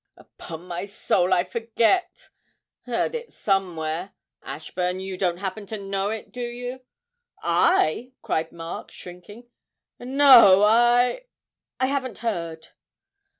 'Upon my soul I forget heard it somewhere. Ashburn, you don't happen to know it, do you?' 'I!' cried Mark, shrinking; 'no, I I haven't heard.'